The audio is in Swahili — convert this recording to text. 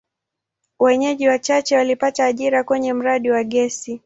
Wenyeji wachache walipata ajira kwenye mradi wa gesi.